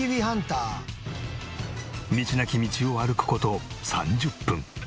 道なき道を歩く事３０分。